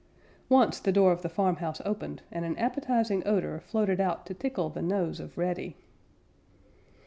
Once the door of the farmhouse opened, and an appetizing odor floated out to tickle the nose of Reddy.